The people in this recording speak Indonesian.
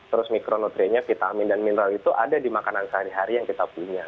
terus mikronutriennya vitamin dan mineral itu ada di makanan sehari hari yang kita punya